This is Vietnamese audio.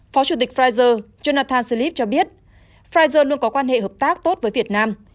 phó chủ tịch pfizer jonathan slip cho biết pfizer luôn có quan hệ hợp tác tốt với việt nam